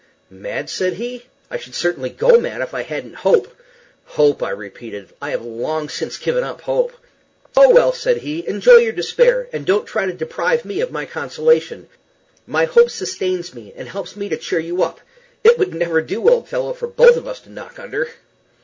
"Mad?" said he; "I should certainly go mad if I hadn't hope." "Hope!" I repeated; "I have long since given up hope." "Oh, well," said he, "enjoy your despair, and don't try to deprive me of my consolation. My hope sustains me, and helps me to cheer you up. It would never do, old fellow, for both of us to knock under."